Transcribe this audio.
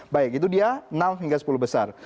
baik itu dia enam hingga sepuluh besar